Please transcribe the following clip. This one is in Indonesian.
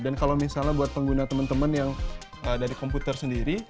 dan kalau misalnya buat pengguna teman teman yang dari komputer sendiri